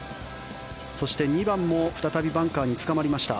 そして、２番も再びバンカーにつかまりました。